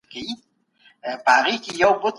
تر راتلونکي کاله به اقتصادي پلانونه بشپړ سوي وي.